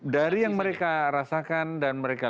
dari yang mereka rasakan dan mereka